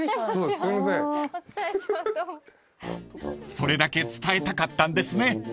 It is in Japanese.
［それだけ伝えたかったんですね］